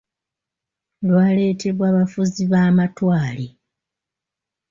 Lwaletebwa bafuzi b’Amatwale.